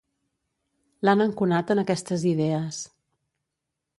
L'han enconat en aquestes idees.